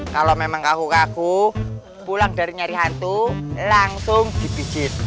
kalau memang kaku kaku pulang dari nyari hantu langsung dibijit